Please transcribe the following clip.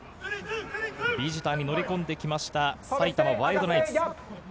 ビジターに乗り込んできました、埼玉ワイルドナイツ。